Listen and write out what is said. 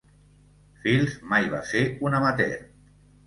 Fields mai va ser un amateur.